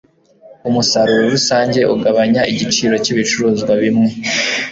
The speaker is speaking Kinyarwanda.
Umusaruro rusange ugabanya igiciro cyibicuruzwa bimwe